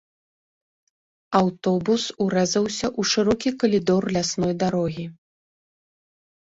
Аўтобус урэзаўся ў шырокі калідор лясной дарогі.